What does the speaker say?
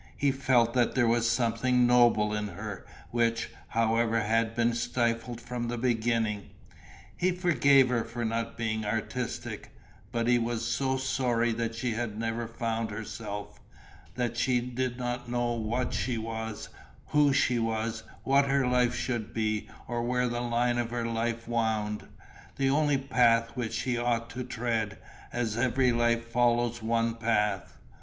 He felt that there was something noble in her, which, however, had been stifled from the beginning. He forgave her for not being artistic, but he was sorry that she had never found herself, that she did not know what she was, who she was, what her life should be, or where the line of her life wound, the only path which she ought to tread, as every life follows one path.